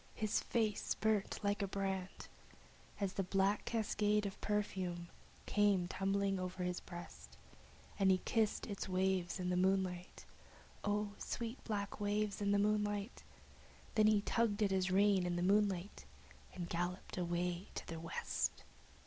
His face burnt like a brand As the sweet black waves of perfume came tumbling o'er his breast, Then he kissed its waves in the moonlight (O sweet black waves in the moonlight!), And he tugged at his reins in the moonlight, and galloped away to the west.